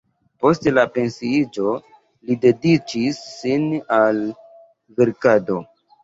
Post la pensiiĝo li dediĉis sin al verkado.